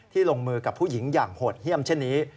ลงมือกับผู้หญิงอย่างโหดเยี่ยมเช่นนี้